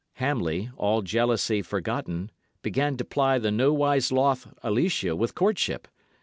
Hamley, all jealousy forgotten, began to ply the nowise loth Alicia with courtship.